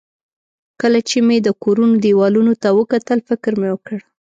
کله چې مې د کورونو دېوالونو ته وکتل، فکر مې وکړ.